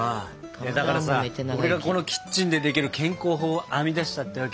だからさ俺がこのキッチンでできる健康法を編み出したってわけよ。